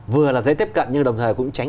vừa là dễ tiếp cận nhưng đồng thời cũng tránh